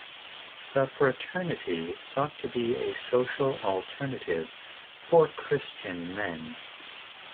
The fraternity sought to be a social alternative for Christian men.